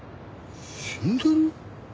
死んでる？